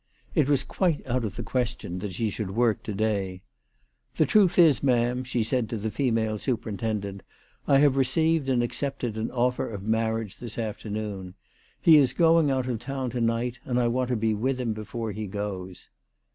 It was quite out of the question that she should work to day. " The truth is, ma'am," she said to the female superintendent, " I have received and accepted an offer of marriage this afternoon. He is going out of town to night, and I want to be with him before he goes."